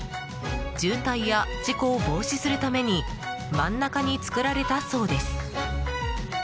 渋滞や事故を防止するために真ん中に作られたそうです。